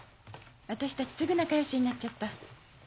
私たちすぐ仲良しになっちゃった。